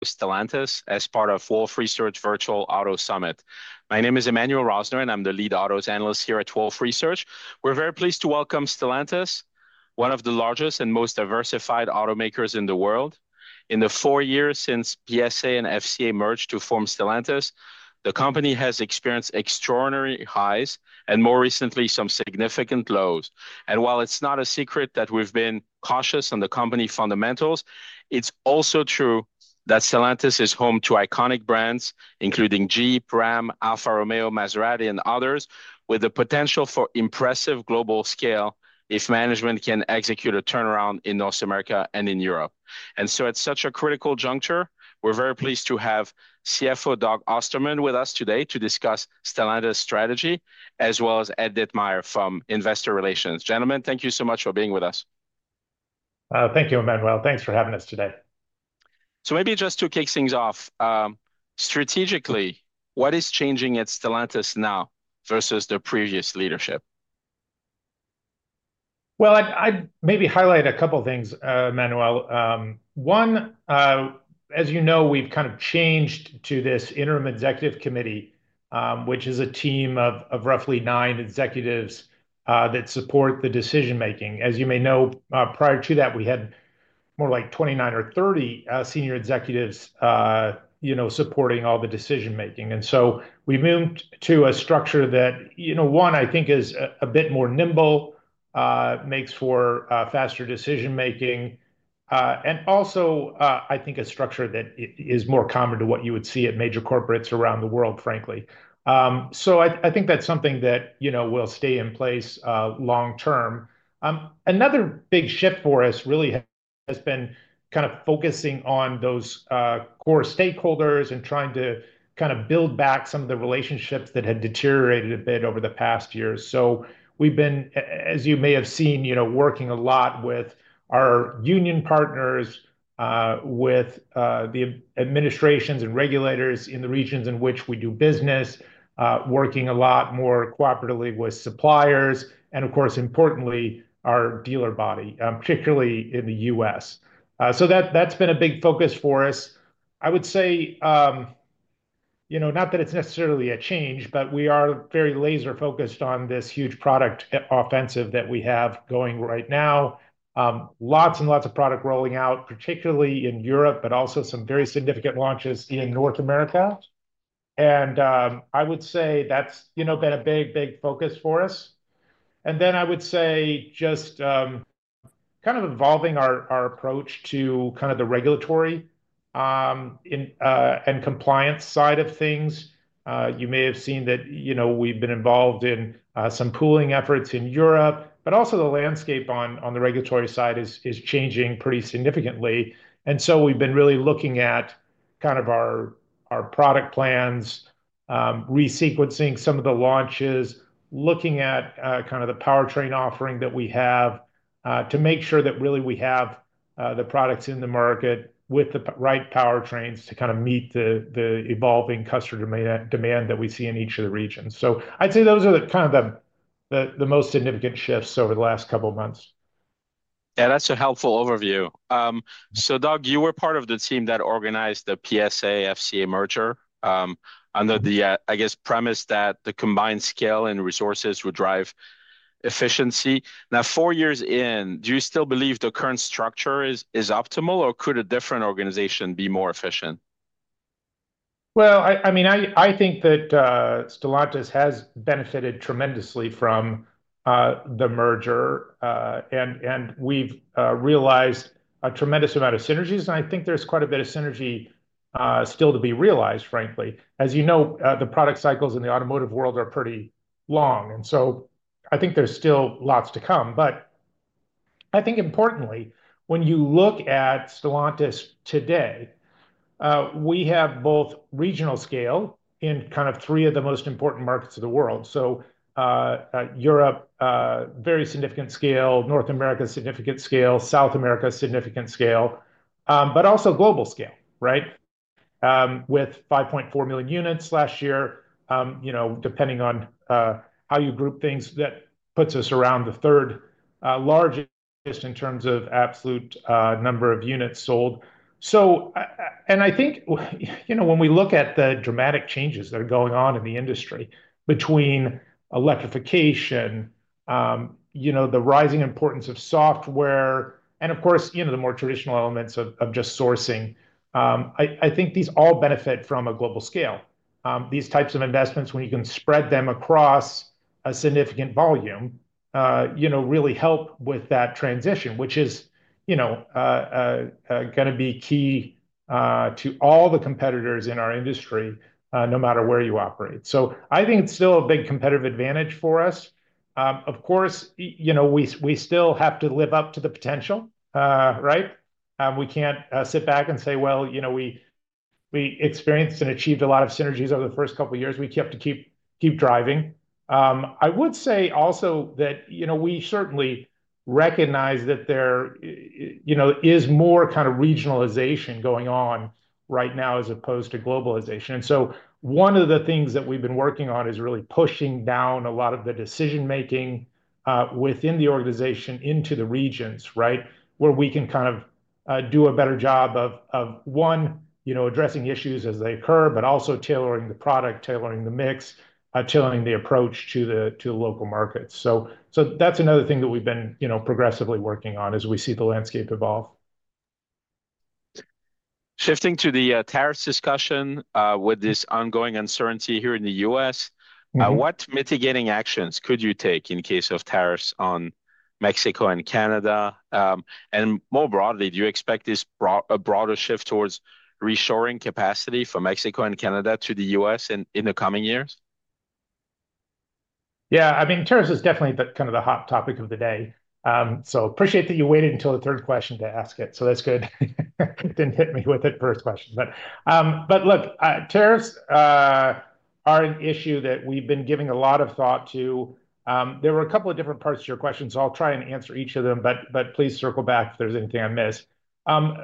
With Stellantis as part of Wolfe Research Virtual Auto Summit. My name is Emmanuel Rosner, and I'm the lead auto analyst here at Wolfe Research. We're very pleased to welcome Stellantis, one of the largest and most diversified automakers in the world. In the four years since PSA and FCA merged to form Stellantis, the company has experienced extraordinary highs and, more recently, some significant lows. While it's not a secret that we've been cautious on the company fundamentals, it's also true that Stellantis is home to iconic brands, including Jeep, Ram, Alfa Romeo, Maserati, and others, with the potential for impressive global scale if management can execute a turnaround in North America and in Europe. At such a critical juncture, we're very pleased to have CFO Doug Ostermann with us today to discuss Stellantis' strategy, as well as Ed Ditmire from Investor Relations. Gentlemen, thank you so much for being with us. Thank you, Emmanuel. Thanks for having us today. Maybe just to kick things off, strategically, what is changing at Stellantis now versus the previous leadership? I'd maybe highlight a couple of things, Emmanuel. One, as you know, we've kind of changed to this interim executive committee, which is a team of roughly nine executives that support the decision-making. As you may know, prior to that, we had more like 29 or 30 senior executives supporting all the decision-making. We moved to a structure that, one, I think, is a bit more nimble, makes for faster decision-making, and also, I think, a structure that is more common to what you would see at major corporates around the world, frankly. I think that's something that will stay in place long-term. Another big shift for us really has been kind of focusing on those core stakeholders and trying to kind of build back some of the relationships that had deteriorated a bit over the past years. We have been, as you may have seen, working a lot with our union partners, with the administrations and regulators in the regions in which we do business, working a lot more cooperatively with suppliers, and, of course, importantly, our dealer body, particularly in the U.S. That has been a big focus for us. I would say, not that it is necessarily a change, but we are very laser-focused on this huge product offensive that we have going right now. Lots and lots of product rolling out, particularly in Europe, but also some very significant launches in North America. I would say that has been a big, big focus for us. I would say just kind of evolving our approach to kind of the regulatory and compliance side of things. You may have seen that we've been involved in some pooling efforts in Europe, but also the landscape on the regulatory side is changing pretty significantly. We have been really looking at kind of our product plans, re-sequencing some of the launches, looking at kind of the powertrain offering that we have to make sure that, really, we have the products in the market with the right powertrains to kind of meet the evolving customer demand that we see in each of the regions. I would say those are kind of the most significant shifts over the last couple of months. Yeah, that's a helpful overview. Doug, you were part of the team that organized the PSA-FCA merger under the, I guess, premise that the combined scale and resources would drive efficiency. Now, four years in, do you still believe the current structure is optimal, or could a different organization be more efficient? I mean, I think that Stellantis has benefited tremendously from the merger, and we've realized a tremendous amount of synergies. I think there's quite a bit of synergy still to be realized, frankly. As you know, the product cycles in the automotive world are pretty long. I think there's still lots to come. Importantly, when you look at Stellantis today, we have both regional scale in kind of three of the most important markets of the world. Europe, very significant scale. North America, significant scale. South America, significant scale. Also global scale, right, with 5.4 million units last year, depending on how you group things. That puts us around the third largest in terms of absolute number of units sold. I think when we look at the dramatic changes that are going on in the industry between electrification, the rising importance of software, and, of course, the more traditional elements of just sourcing, I think these all benefit from a global scale. These types of investments, when you can spread them across a significant volume, really help with that transition, which is going to be key to all the competitors in our industry, no matter where you operate. I think it's still a big competitive advantage for us. Of course, we still have to live up to the potential, right? We can't sit back and say, "Well, we experienced and achieved a lot of synergies over the first couple of years. We have to keep driving. I would say also that we certainly recognize that there is more kind of regionalization going on right now as opposed to globalization. One of the things that we've been working on is really pushing down a lot of the decision-making within the organization into the regions, right, where we can kind of do a better job of, one, addressing issues as they occur, but also tailoring the product, tailoring the mix, tailoring the approach to the local markets. That is another thing that we've been progressively working on as we see the landscape evolve. Shifting to the tariffs discussion, with this ongoing uncertainty here in the U.S., what mitigating actions could you take in case of tariffs on Mexico and Canada? More broadly, do you expect a broader shift towards reshoring capacity for Mexico and Canada to the U.S. in the coming years? Yeah, I mean, tariffs is definitely kind of the hot topic of the day. Appreciate that you waited until the third question to ask it. That's good. You did not hit me with it first question. Look, tariffs are an issue that we've been giving a lot of thought to. There were a couple of different parts to your questions, so I'll try and answer each of them. Please circle back if there's anything I missed. In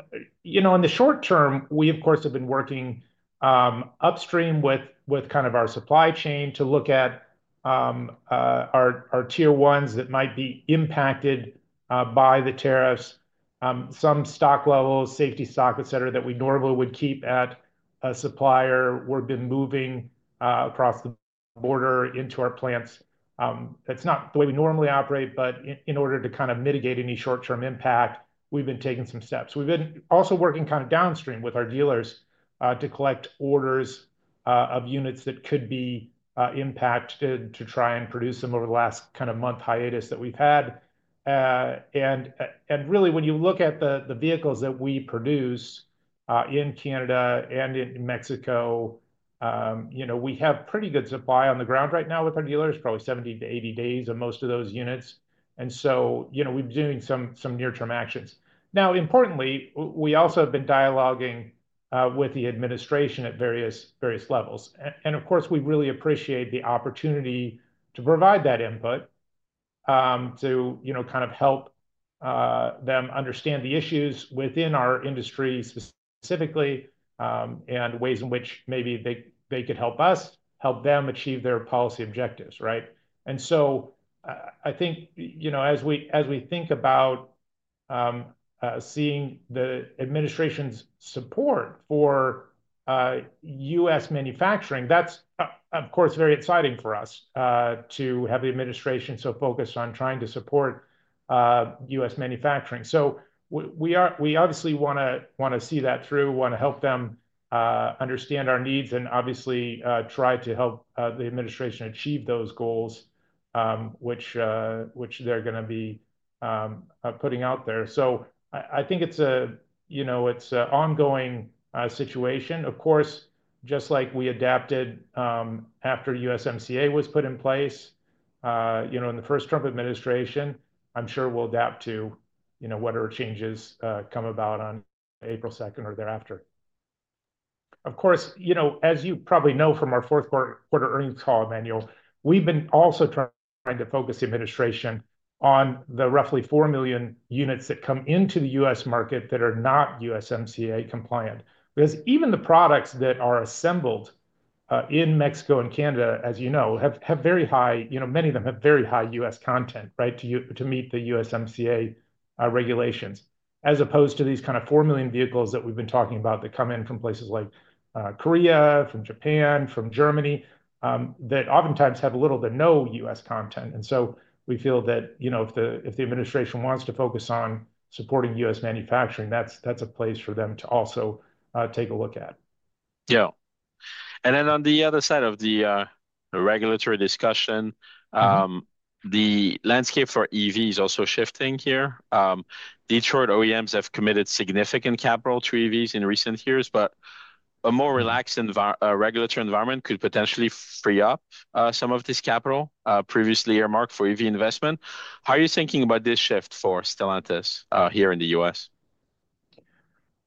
the short term, we, of course, have been working upstream with kind of our supply chain to look at our Tier ones that might be impacted by the tariffs, some stock levels, safety stock, et cetera, that we normally would keep at a supplier. We've been moving across the border into our plants. It's not the way we normally operate, but in order to kind of mitigate any short-term impact, we've been taking some steps. We've been also working kind of downstream with our dealers to collect orders of units that could be impacted to try and produce them over the last kind of month hiatus that we've had. Really, when you look at the vehicles that we produce in Canada and in Mexico, we have pretty good supply on the ground right now with our dealers, probably 70-80 days on most of those units. We've been doing some near-term actions. Importantly, we also have been dialoguing with the administration at various levels. Of course, we really appreciate the opportunity to provide that input, to kind of help them understand the issues within our industry specifically and ways in which maybe they could help us help them achieve their policy objectives, right? I think as we think about seeing the administration's support for U.S. manufacturing, that's, of course, very exciting for us to have the administration so focused on trying to support U.S. manufacturing. We obviously want to see that through, want to help them understand our needs, and obviously try to help the administration achieve those goals, which they're going to be putting out there. I think it's an ongoing situation. Of course, just like we adapted after USMCA was put in place in the first Trump administration, I'm sure we'll adapt to whatever changes come about on April 2, 2024 or thereafter. Of course, as you probably know from our fourth quarter earnings call, Emmanuel, we've been also trying to focus the administration on the roughly 4 million units that come into the U.S. market that are not USMCA compliant. Because even the products that are assembled in Mexico and Canada, as you know, have very high, many of them have very high U.S. content, right, to meet the USMCA regulations, as opposed to these kind of 4 million vehicles that we've been talking about that come in from places like Korea, from Japan, from Germany, that oftentimes have little to no U.S. content. We feel that if the administration wants to focus on supporting U.S. manufacturing, that's a place for them to also take a look at. Yeah. On the other side of the regulatory discussion, the landscape for EVs is also shifting here. Detroit OEMs have committed significant capital to EVs in recent years, but a more relaxed regulatory environment could potentially free up some of this capital previously earmarked for EV investment. How are you thinking about this shift for Stellantis here in the U.S.?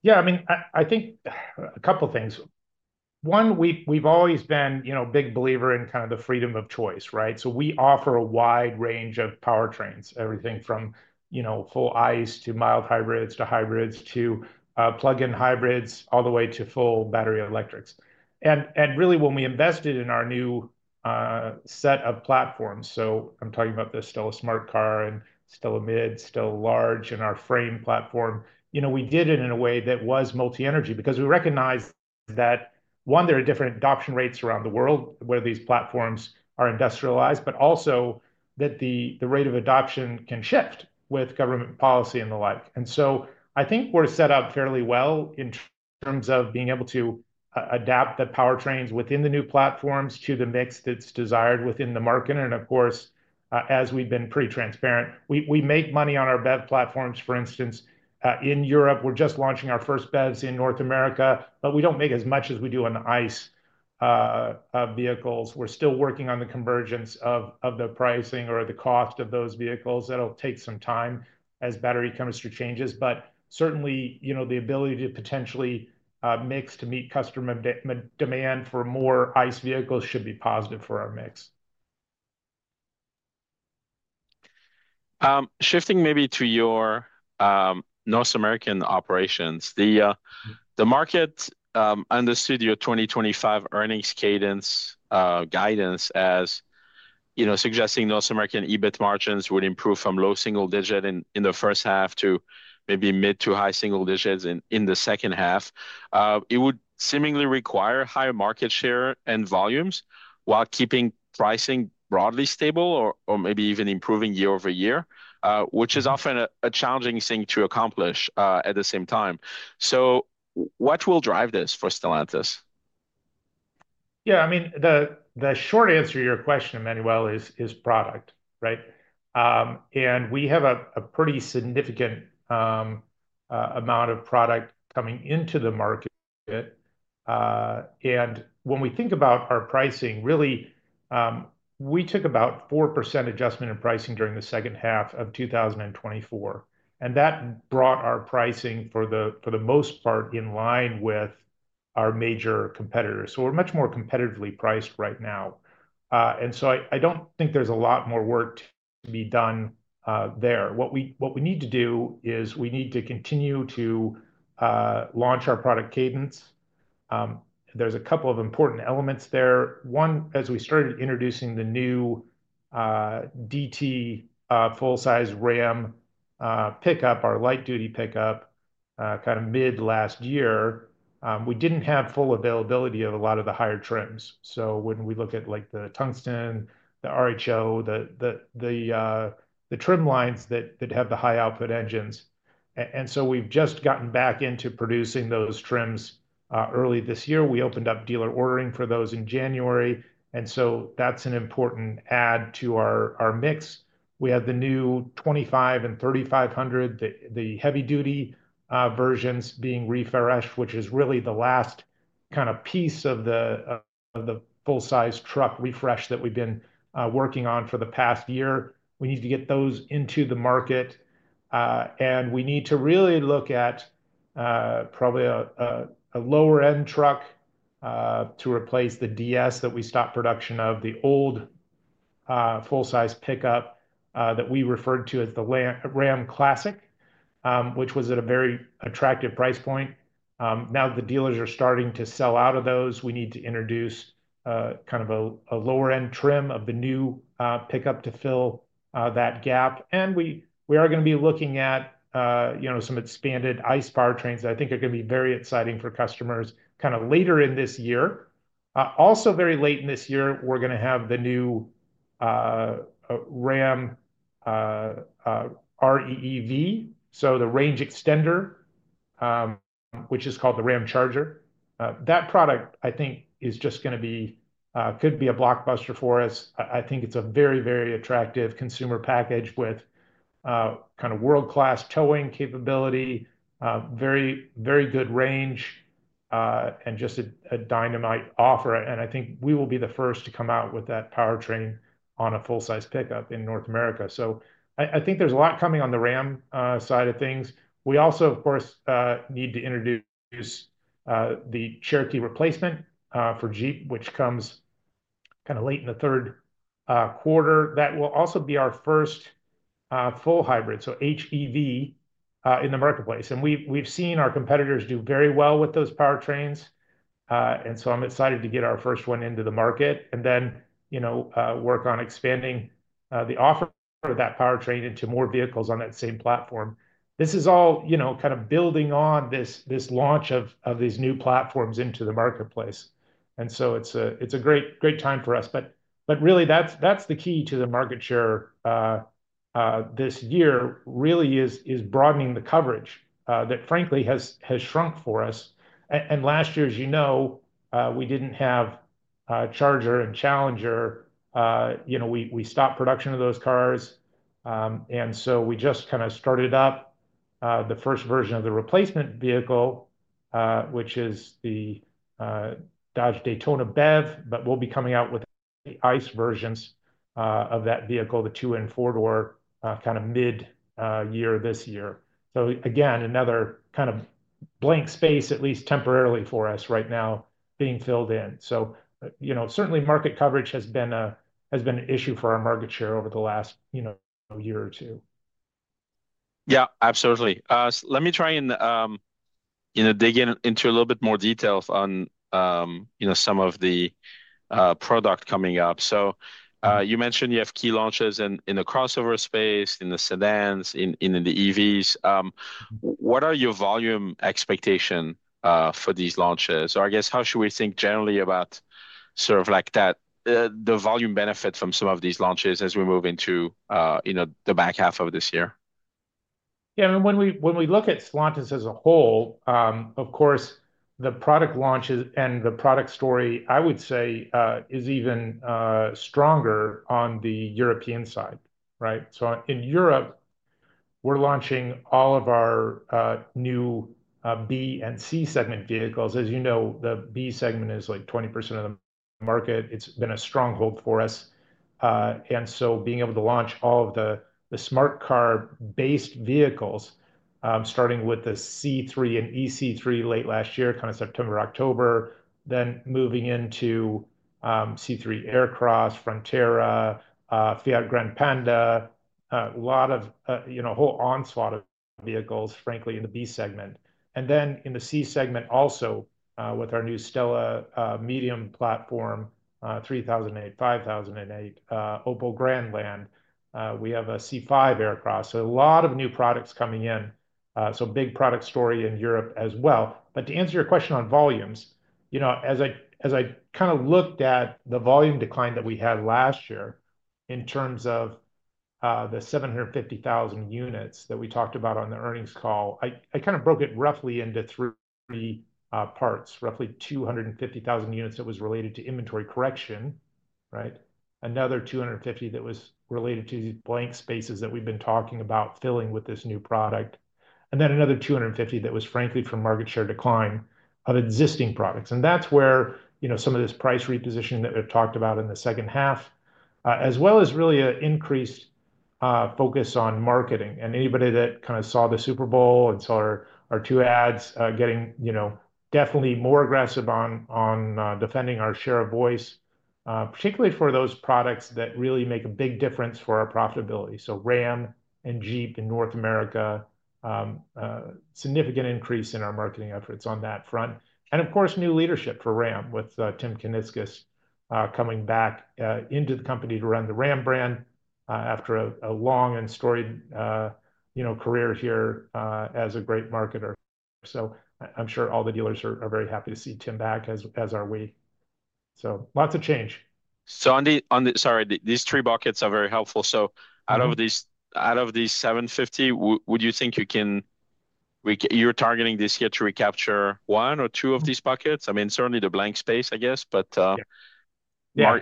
Yeah, I mean, I think a couple of things. One, we've always been a big believer in kind of the freedom of choice, right? So we offer a wide range of powertrains, everything from full ICE to mild hybrids to hybrids to plug-in hybrids all the way to full battery electrics. Really, when we invested in our new set of platforms, so I'm talking about the STLA Smart Car and STLA Medium, STLA Large, and our frame platform, we did it in a way that was multi-energy because we recognize that, one, there are different adoption rates around the world where these platforms are industrialized, but also that the rate of adoption can shift with government policy and the like. I think we're set up fairly well in terms of being able to adapt the powertrains within the new platforms to the mix that's desired within the market. Of course, as we've been pretty transparent, we make money on our BEV platforms. For instance, in Europe, we're just launching our first BEVs in North America, but we don't make as much as we do on the ICE vehicles. We're still working on the convergence of the pricing or the cost of those vehicles. That'll take some time as battery chemistry changes. Certainly, the ability to potentially mix to meet customer demand for more ICE vehicles should be positive for our mix. Shifting maybe to your North American operations, the market understood your 2025 earnings guidance as suggesting North American EBIT margins would improve from low single digit in the first half to maybe mid to high single digits in the second half. It would seemingly require higher market share and volumes while keeping pricing broadly stable or maybe even improving year over year, which is often a challenging thing to accomplish at the same time. What will drive this for Stellantis? Yeah, I mean, the short answer to your question, Emmanuel, is product, right? We have a pretty significant amount of product coming into the market. When we think about our pricing, really, we took about a 4% adjustment in pricing during the second half of 2024. That brought our pricing for the most part in line with our major competitors. We are much more competitively priced right now. I do not think there is a lot more work to be done there. What we need to do is we need to continue to launch our product cadence. There are a couple of important elements there. One, as we started introducing the new DT full-size Ram pickup, our light-duty pickup, kind of mid last year, we did not have full availability of a lot of the higher trims. When we look at the Tungsten, the RHO, the trim lines that have the high-output engines, we've just gotten back into producing those trims early this year. We opened up dealer ordering for those in January. That is an important add to our mix. We have the new 2500 and 3500, the heavy-duty versions being refreshed, which is really the last kind of piece of the full-size truck refresh that we've been working on for the past year. We need to get those into the market. We need to really look at probably a lower-end truck to replace the DS that we stopped production of, the old full-size pickup that we referred to as the Ram Classic, which was at a very attractive price point. Now the dealers are starting to sell out of those. We need to introduce kind of a lower-end trim of the new pickup to fill that gap. We are going to be looking at some expanded ICE powertrains that I think are going to be very exciting for customers kind of later in this year. Also, very late in this year, we're going to have the new Ram REEV, so the range extender, which is called the Ramcharger. That product, I think, could be a blockbuster for us. I think it's a very, very attractive consumer package with kind of world-class towing capability, very good range, and just a dynamite offer. I think we will be the first to come out with that powertrain on a full-size pickup in North America. I think there's a lot coming on the Ram side of things. We also, of course, need to introduce the Cherokee replacement for Jeep, which comes kind of late in the third quarter. That will also be our first full hybrid, so HEV in the marketplace. We've seen our competitors do very well with those powertrains. I'm excited to get our first one into the market and then work on expanding the offer of that powertrain into more vehicles on that same platform. This is all kind of building on this launch of these new platforms into the marketplace. It's a great time for us. Really, that's the key to the market share this year, really is broadening the coverage that, frankly, has shrunk for us. Last year, as you know, we didn't have Charger and Challenger. We stopped production of those cars. We just kind of started up the first version of the replacement vehicle, which is the Dodge Daytona BEV, but we'll be coming out with the ICE versions of that vehicle, the two- and four-door kind of mid-year this year. Again, another kind of blank space, at least temporarily for us right now, being filled in. Certainly, market coverage has been an issue for our market share over the last year or two. Yeah, absolutely. Let me try and dig into a little bit more details on some of the product coming up. You mentioned you have key launches in the crossover space, in the sedans, in the EVs. What are your volume expectations for these launches? I guess, how should we think generally about sort of like the volume benefit from some of these launches as we move into the back half of this year? Yeah, I mean, when we look at Stellantis as a whole, of course, the product launches and the product story, I would say, is even stronger on the European side, right? In Europe, we're launching all of our new B and C segment vehicles. As you know, the B segment is like 20% of the market. It's been a stronghold for us. Being able to launch all of the Smart Car-based vehicles, starting with the C3 and e-C3 late last year, kind of September, October, then moving into C3 Aircross, Frontera, Fiat Grande Panda, a whole onslaught of vehicles, frankly, in the B segment. In the C segment also, with our new STLA Medium platform, 3008, 5008, Opel Grandland, we have a C5 Aircross. A lot of new products coming in. Big product story in Europe as well. To answer your question on volumes, as I kind of looked at the volume decline that we had last year in terms of the 750,000 units that we talked about on the earnings call, I kind of broke it roughly into three parts. Roughly 250,000 units that was related to inventory correction, right? Another 250,000 that was related to these blank spaces that we've been talking about filling with this new product. And then another 250,000 that was, frankly, from market share decline of existing products. That's where some of this price repositioning that we've talked about in the second half, as well as really an increased focus on marketing. Anybody that kind of saw the Super Bowl and saw our two ads getting definitely more aggressive on defending our share of voice, particularly for those products that really make a big difference for our profitability. Ram and Jeep in North America, significant increase in our marketing efforts on that front. Of course, new leadership for Ram with Tim Kuniskis coming back into the company to run the Ram brand after a long and storied career here as a great marketer. I'm sure all the dealers are very happy to see Tim back, as are we. Lots of change. These three buckets are very helpful. Out of these 750, would you think you can, you're targeting this year to recapture one or two of these buckets? I mean, certainly the blank space, I guess. Yeah.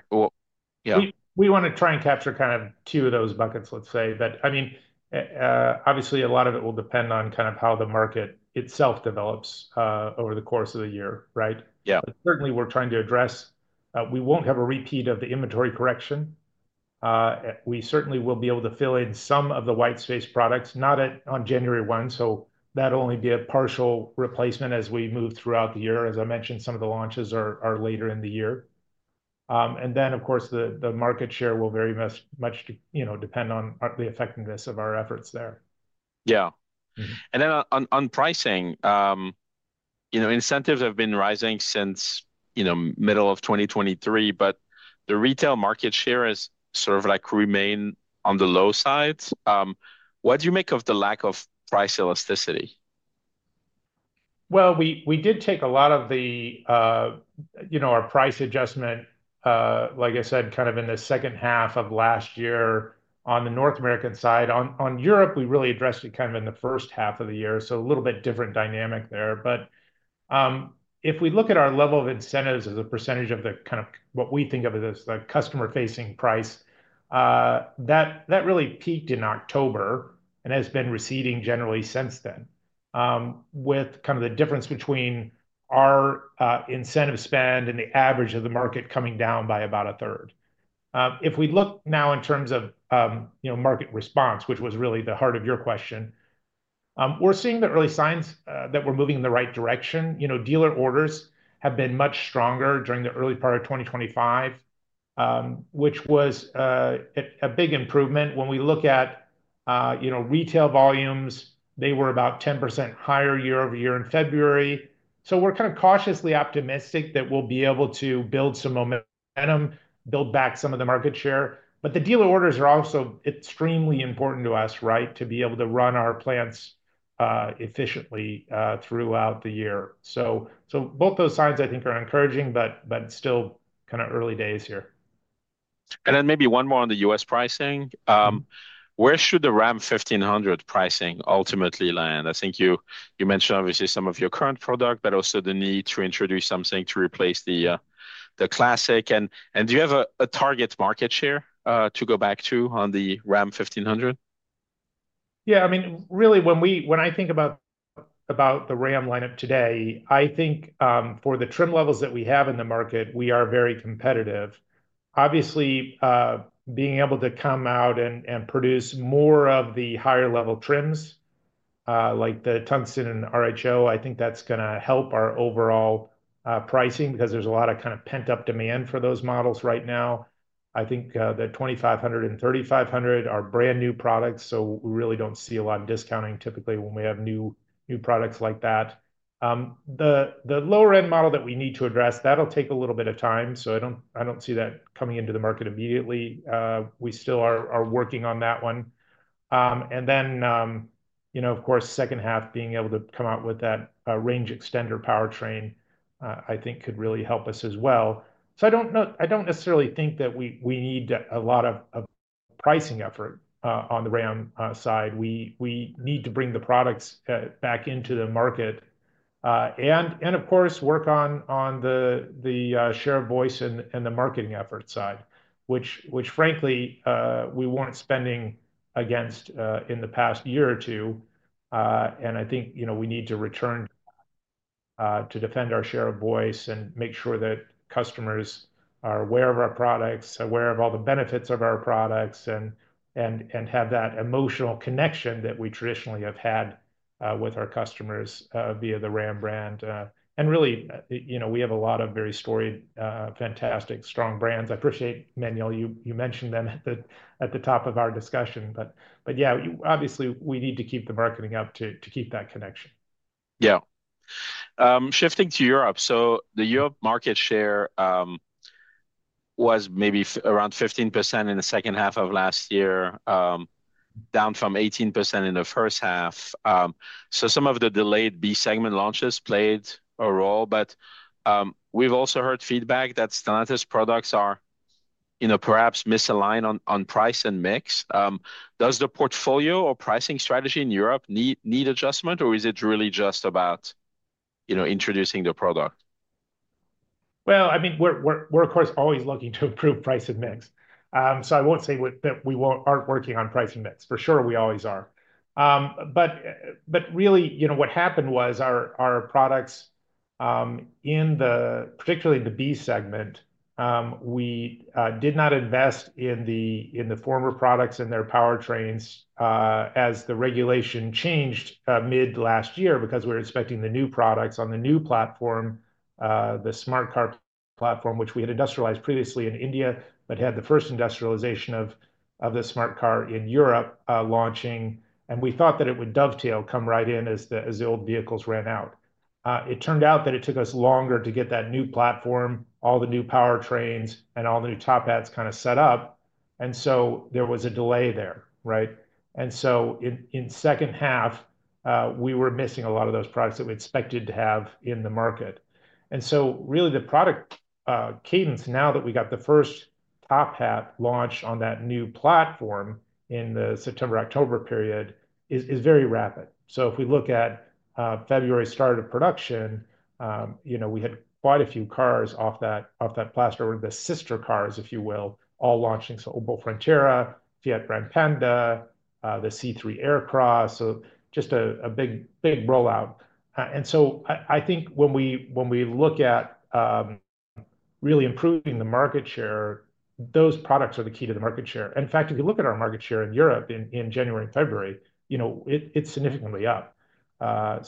We want to try and capture kind of two of those buckets, let's say. I mean, obviously, a lot of it will depend on kind of how the market itself develops over the course of the year, right? Yeah. Certainly, we're trying to address we won't have a repeat of the inventory correction. We certainly will be able to fill in some of the white space products, not on January 1. That'll only be a partial replacement as we move throughout the year. As I mentioned, some of the launches are later in the year. Of course, the market share will very much depend on the effectiveness of our efforts there. Yeah. On pricing, incentives have been rising since middle of 2023, but the retail market share has sort of remained on the low side. What do you make of the lack of price elasticity? We did take a lot of our price adjustment, like I said, kind of in the second half of last year on the North American side. On Europe, we really addressed it kind of in the first half of the year. A little bit different dynamic there. If we look at our level of incentives as a percentage of kind of what we think of as the customer-facing price, that really peaked in October and has been receding generally since then with kind of the difference between our incentive spend and the average of the market coming down by about a third. If we look now in terms of market response, which was really the heart of your question, we're seeing the early signs that we're moving in the right direction. Dealer orders have been much stronger during the early part of 2025, which was a big improvement. When we look at retail volumes, they were about 10% higher year over year in February. We are kind of cautiously optimistic that we will be able to build some momentum, build back some of the market share. The dealer orders are also extremely important to us, right, to be able to run our plants efficiently throughout the year. Both those signs, I think, are encouraging, but still kind of early days here. Maybe one more on the U.S. pricing. Where should the Ram 1500 pricing ultimately land? I think you mentioned, obviously, some of your current product, but also the need to introduce something to replace the Classic. Do you have a target market share to go back to on the Ram 1500? Yeah, I mean, really, when I think about the Ram lineup today, I think for the trim levels that we have in the market, we are very competitive. Obviously, being able to come out and produce more of the higher-level trims, like the Tungsten and RHO, I think that's going to help our overall pricing because there's a lot of kind of pent-up demand for those models right now. I think the 2500 and 3500 are brand new products. We really do not see a lot of discounting typically when we have new products like that. The lower-end model that we need to address, that'll take a little bit of time. I do not see that coming into the market immediately. We still are working on that one. Of course, second half, being able to come out with that range extender powertrain, I think, could really help us as well. I do not necessarily think that we need a lot of pricing effort on the Ram side. We need to bring the products back into the market and, of course, work on the share of voice and the marketing effort side, which, frankly, we were not spending against in the past year or two. I think we need to return to defend our share of voice and make sure that customers are aware of our products, aware of all the benefits of our products, and have that emotional connection that we traditionally have had with our customers via the Ram brand. We have a lot of very storied, fantastic, strong brands. I appreciate, Manuel, you mentioned them at the top of our discussion. Yeah, obviously, we need to keep the marketing up to keep that connection. Yeah. Shifting to Europe. The Europe market share was maybe around 15% in the second half of last year, down from 18% in the first half. Some of the delayed B segment launches played a role. We have also heard feedback that Stellantis products are perhaps misaligned on price and mix. Does the portfolio or pricing strategy in Europe need adjustment, or is it really just about introducing the product? I mean, we're, of course, always looking to improve price and mix. I won't say that we aren't working on price and mix. For sure, we always are. Really, what happened was our products, particularly the B segment, we did not invest in the former products and their powertrains as the regulation changed mid-last year because we were expecting the new products on the new platform, the STLA Smart Car platform, which we had industrialized previously in India, but had the first industrialization of the Smart Car in Europe launching. We thought that it would dovetail, come right in as the old vehicles ran out. It turned out that it took us longer to get that new platform, all the new powertrains, and all the new top hats kind of set up. There was a delay there, right? In the second half, we were missing a lot of those products that we expected to have in the market. The product cadence now that we got the first top hat launched on that new platform in the September-October period is very rapid. If we look at February start of production, we had quite a few cars off that platform or the sister cars, if you will, all launching. Opel Frontera, Fiat Grande Panda, the C3 Aircross. Just a big rollout. I think when we look at really improving the market share, those products are the key to the market share. In fact, if you look at our market share in Europe in January and February, it is significantly up. I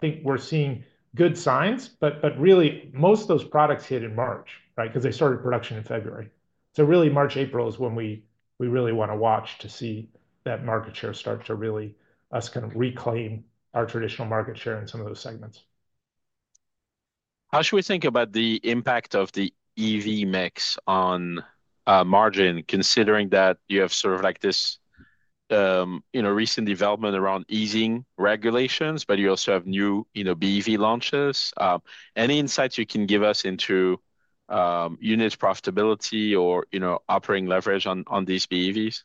think we're seeing good signs, but really, most of those products hit in March, right, because they started production in February. So really, March, April is when we really want to watch to see that market share start to really us kind of reclaim our traditional market share in some of those segments. How should we think about the impact of the EV mix on margin, considering that you have sort of like this recent development around easing regulations, but you also have new BEV launches? Any insights you can give us into unit profitability or operating leverage on these BEVs?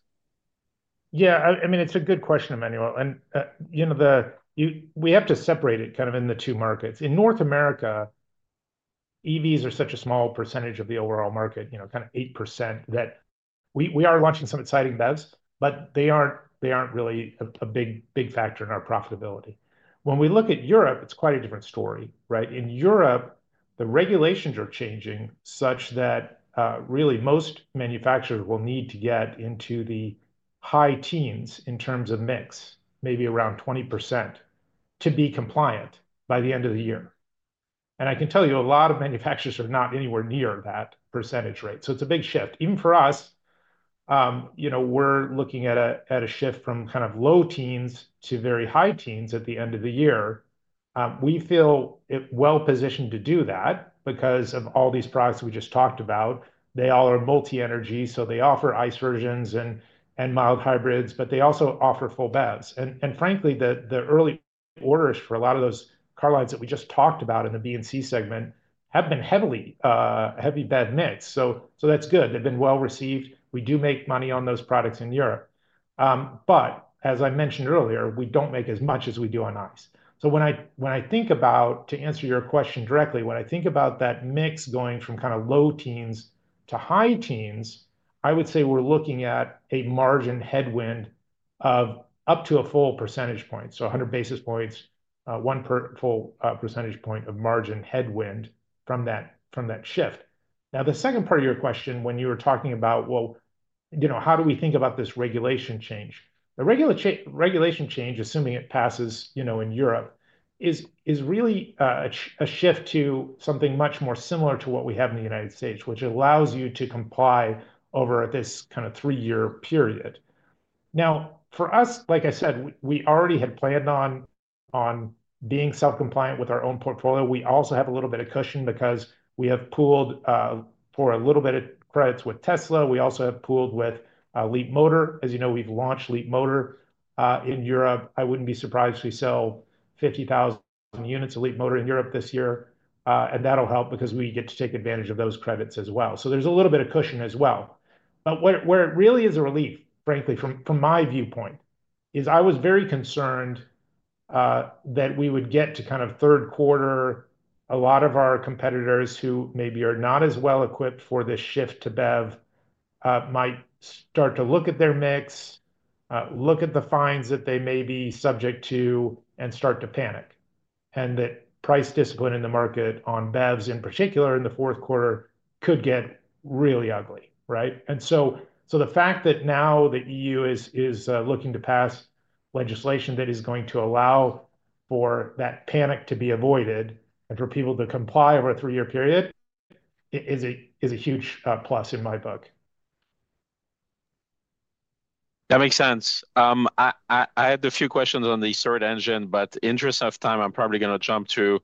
Yeah, I mean, it's a good question, Manuel. We have to separate it kind of in the two markets. In North America, EVs are such a small percentage of the overall market, kind of 8%, that we are launching some exciting BEVs, but they aren't really a big factor in our profitability. When we look at Europe, it's quite a different story, right? In Europe, the regulations are changing such that really most manufacturers will need to get into the high teens in terms of mix, maybe around 20%, to be compliant by the end of the year. I can tell you a lot of manufacturers are not anywhere near that percentage rate. It is a big shift. Even for us, we're looking at a shift from kind of low teens to very high teens at the end of the year. We feel well-positioned to do that because of all these products we just talked about. They all are multi-energy. They offer ICE versions and mild hybrids, but they also offer full BEVs. Frankly, the early orders for a lot of those car lines that we just talked about in the B and C segment have been heavy BEV mix. That is good. They have been well received. We do make money on those products in Europe. As I mentioned earlier, we do not make as much as we do on ICE. To answer your question directly, when I think about that mix going from kind of low teens to high teens, I would say we are looking at a margin headwind of up to a full percentage point, so 100 basis points, one full percentage point of margin headwind from that shift. Now, the second part of your question, when you were talking about, like, how do we think about this regulation change? The regulation change, assuming it passes in Europe, is really a shift to something much more similar to what we have in the United States, which allows you to comply over this kind of three-year period. Now, for us, like I said, we already had planned on being self-compliant with our own portfolio. We also have a little bit of cushion because we have pooled for a little bit of credits with Tesla. We also have pooled with Leapmotor. As you know, we've launched Leapmotor in Europe. I wouldn't be surprised if we sell 50,000 units of Leapmotor in Europe this year. That'll help because we get to take advantage of those credits as well. There is a little bit of cushion as well. Where it really is a relief, frankly, from my viewpoint, is I was very concerned that we would get to kind of third quarter, a lot of our competitors who maybe are not as well equipped for this shift to BEV might start to look at their mix, look at the fines that they may be subject to, and start to panic. That price discipline in the market on BEVs, in particular in the fourth quarter, could get really ugly, right? The fact that now the EU is looking to pass legislation that is going to allow for that panic to be avoided and for people to comply over a three-year period is a huge plus in my book. That makes sense. I had a few questions on the search engine, but in the interest of time, I'm probably going to jump to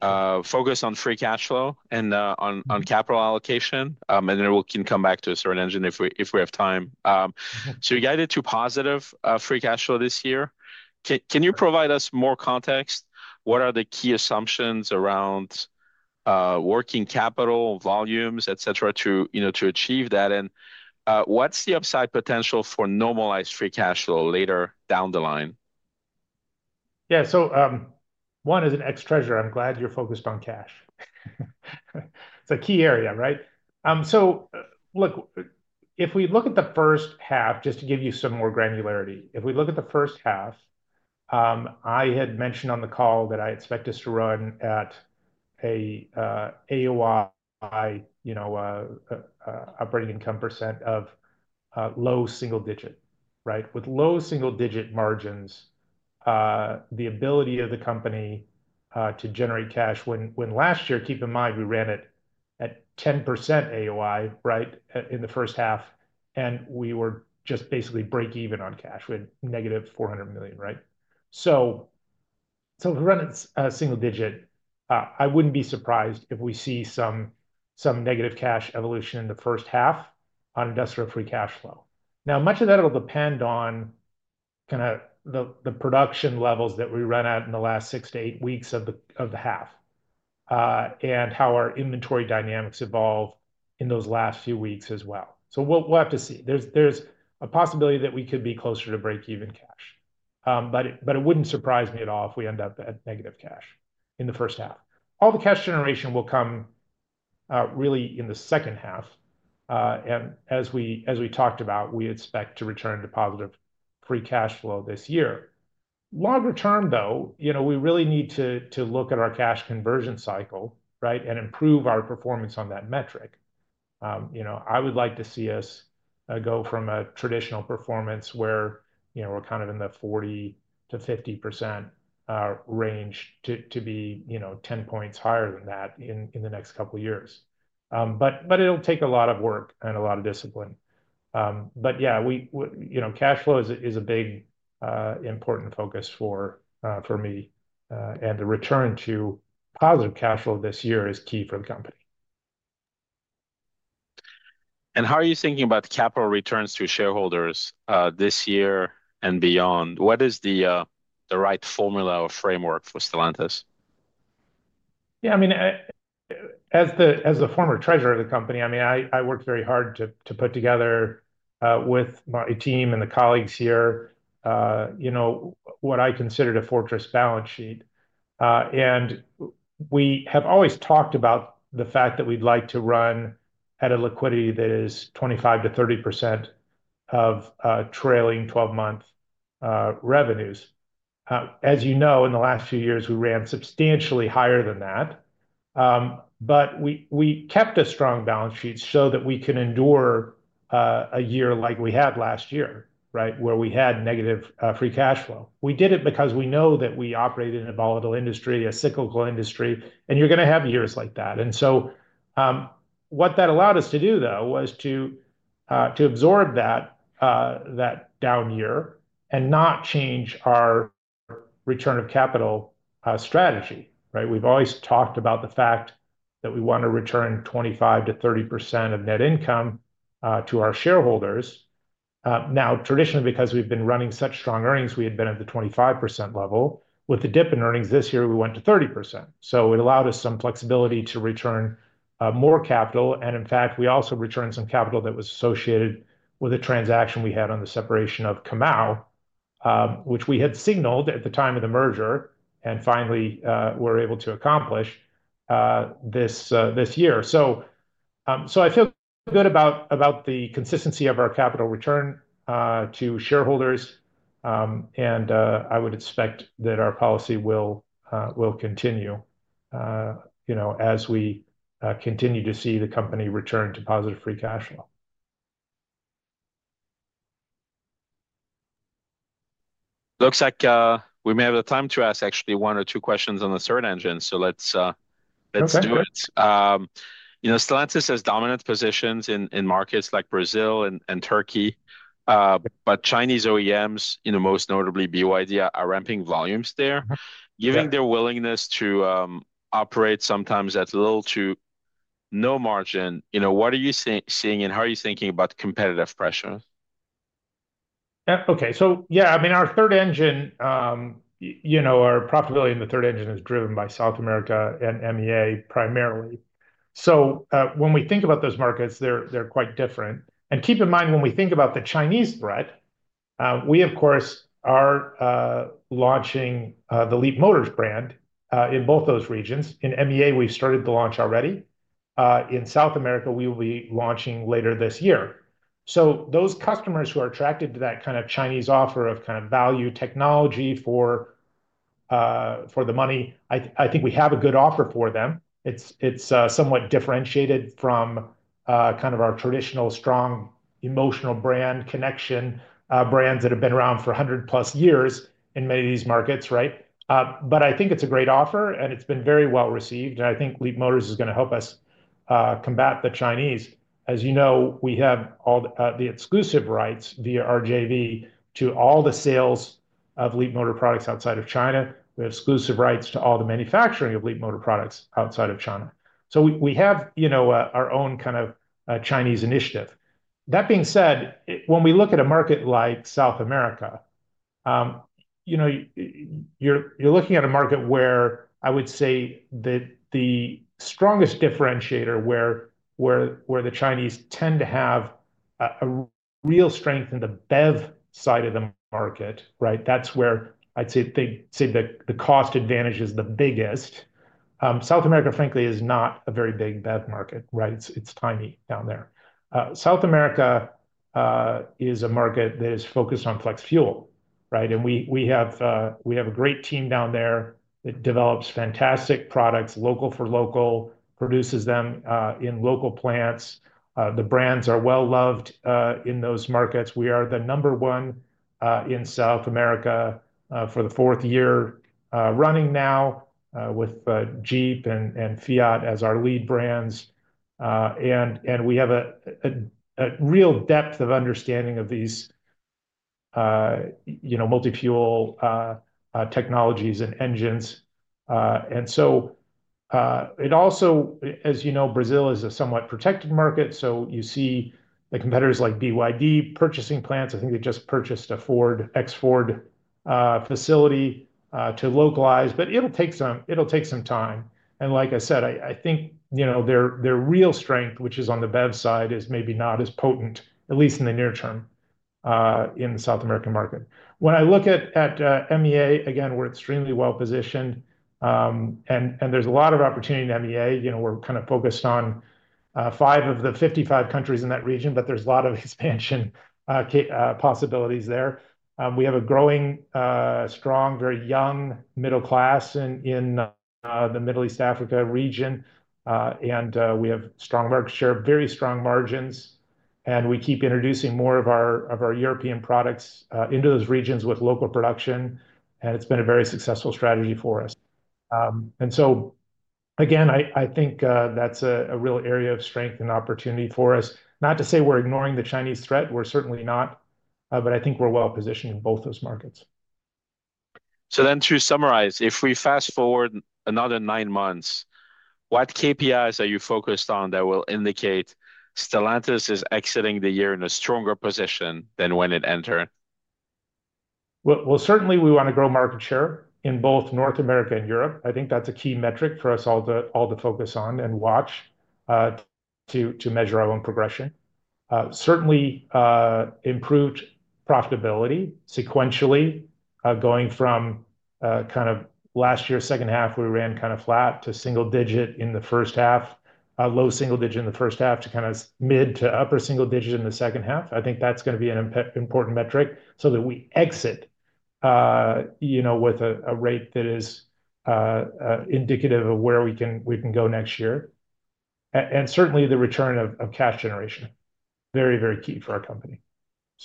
focus on free cash flow and on capital allocation. Then we can come back to the search engine if we have time. You guided to positive free cash flow this year. Can you provide us more context? What are the key assumptions around working capital volumes, etc., to achieve that? What's the upside potential for normalized free cash flow later down the line? Yeah. One is an ex-treasurer. I'm glad you're focused on cash. It's a key area, right? Look, if we look at the first half, just to give you some more granularity, if we look at the first half, I had mentioned on the call that I expect us to run at an AOI operating income % of low single digit, right? With low single digit margins, the ability of the company to generate cash when last year, keep in mind, we ran it at 10% AOI, right, in the first half. We were just basically break even on cash. We had negative $400 million, right? If we run it at single digit, I wouldn't be surprised if we see some negative cash evolution in the first half on industrial free cash flow. Now, much of that will depend on kind of the production levels that we run at in the last six to eight weeks of the half and how our inventory dynamics evolve in those last few weeks as well. We will have to see. There is a possibility that we could be closer to break even cash. It would not surprise me at all if we end up at negative cash in the first half. All the cash generation will come really in the second half. As we talked about, we expect to return to positive free cash flow this year. Longer term, though, we really need to look at our cash conversion cycle, right, and improve our performance on that metric. I would like to see us go from a traditional performance where we're kind of in the 40-50% range to be 10 percentage points higher than that in the next couple of years. It will take a lot of work and a lot of discipline. Yeah, cash flow is a big important focus for me. The return to positive cash flow this year is key for the company. How are you thinking about capital returns to shareholders this year and beyond? What is the right formula or framework for Stellantis? Yeah, I mean, as the former treasurer of the company, I mean, I worked very hard to put together with my team and the colleagues here what I considered a fortress balance sheet. And we have always talked about the fact that we'd like to run at a liquidity that is 25-30% of trailing 12-month revenues. As you know, in the last few years, we ran substantially higher than that. But we kept a strong balance sheet so that we can endure a year like we had last year, right, where we had negative free cash flow. We did it because we know that we operate in a volatile industry, a cyclical industry, and you're going to have years like that. And so what that allowed us to do, though, was to absorb that down year and not change our return of capital strategy, right? We've always talked about the fact that we want to return 25-30% of net income to our shareholders. Now, traditionally, because we've been running such strong earnings, we had been at the 25% level. With the dip in earnings this year, we went to 30%. It allowed us some flexibility to return more capital. In fact, we also returned some capital that was associated with a transaction we had on the separation of Comau, which we had signaled at the time of the merger and finally were able to accomplish this year. I feel good about the consistency of our capital return to shareholders. I would expect that our policy will continue as we continue to see the company return to positive free cash flow. Looks like we may have the time to ask actually one or two questions on the search engine. Let's do it. Stellantis has dominant positions in markets like Brazil and Turkey. Chinese OEMs, most notably BYD, are ramping volumes there. Given their willingness to operate sometimes at little to no margin, what are you seeing and how are you thinking about competitive pressures? Okay. Yeah, I mean, our third engine, our profitability in the third engine is driven by South America and MEA primarily. When we think about those markets, they're quite different. Keep in mind, when we think about the Chinese threat, we, of course, are launching the Leapmotor brand in both those regions. In MEA, we've started the launch already. In South America, we will be launching later this year. Those customers who are attracted to that kind of Chinese offer of kind of value technology for the money, I think we have a good offer for them. It's somewhat differentiated from our traditional strong emotional brand connection, brands that have been around for 100 plus years in many of these markets, right? I think it's a great offer, and it's been very well received. I think Leapmotor is going to help us combat the Chinese. As you know, we have all the exclusive rights via RJV to all the sales of Leapmotor products outside of China. We have exclusive rights to all the manufacturing of Leapmotor products outside of China. We have our own kind of Chinese initiative. That being said, when we look at a market like South America, you're looking at a market where I would say that the strongest differentiator, where the Chinese tend to have a real strength, is in the BEV side of the market, right? That's where I'd say the cost advantage is the biggest. South America, frankly, is not a very big BEV market, right? It's tiny down there. South America is a market that is focused on flex fuel, right? We have a great team down there that develops fantastic products, local for local, produces them in local plants. The brands are well-loved in those markets. We are the number one in South America for the fourth year running now with Jeep and Fiat as our lead brands. We have a real depth of understanding of these multi-fuel technologies and engines. Also, as you know, Brazil is a somewhat protected market. You see the competitors like BYD purchasing plants. I think they just purchased a Ford, ex-Ford facility to localize. It'll take some time. Like I said, I think their real strength, which is on the BEV side, is maybe not as potent, at least in the near term, in the South American market. When I look at MEA, again, we're extremely well positioned. There's a lot of opportunity in MEA. We're kind of focused on five of the 55 countries in that region, but there's a lot of expansion possibilities there. We have a growing, strong, very young middle class in the Middle East Africa region. We have strong market share, very strong margins. We keep introducing more of our European products into those regions with local production. It has been a very successful strategy for us. I think that's a real area of strength and opportunity for us. Not to say we're ignoring the Chinese threat. We're certainly not. I think we're well positioned in both those markets. To summarize, if we fast forward another nine months, what KPIs are you focused on that will indicate Stellantis is exiting the year in a stronger position than when it entered? Certainly, we want to grow market share in both North America and Europe. I think that's a key metric for us all to focus on and watch to measure our own progression. Certainly, improved profitability sequentially going from kind of last year's second half, we ran kind of flat to single digit in the first half, low single digit in the first half to kind of mid to upper single digit in the second half. I think that's going to be an important metric so that we exit with a rate that is indicative of where we can go next year. Certainly, the return of cash generation, very, very key for our company.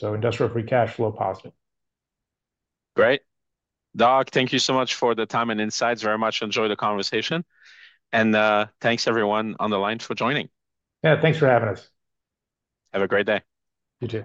Industrial free cash flow positive. Great. Doug, thank you so much for the time and insights. Very much enjoy the conversation. Thanks, everyone on the line for joining. Yeah, thanks for having us. Have a great day. You too.